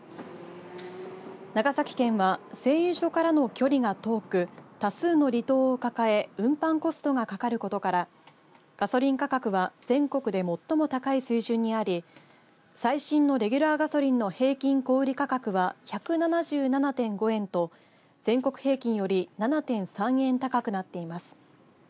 長崎県は製油所からの距離が遠く多数の離島を抱え運搬コストがかかることからガソリン価格は全国で最も高い水準にあり最新のレギュラーガソリンの平均小売価格は１７７．５円と全国平均より７．３円高くなっています。